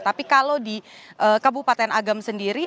tapi kalau di kabupaten agam sendiri